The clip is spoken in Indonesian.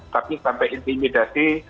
tapi sampai intimidasi